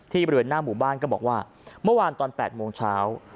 บริเวณหน้าหมู่บ้านก็บอกว่าเมื่อวานตอน๘โมงเช้า